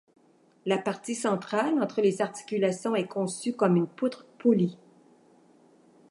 La partie centrale entre les articulations est conçue comme une poutre Pauli.